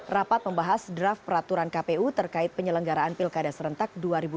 rapat membahas draft peraturan kpu terkait penyelenggaraan pilkada serentak dua ribu delapan belas